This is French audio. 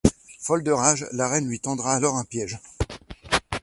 Folle de rage, la reine lui tendra alors un piège.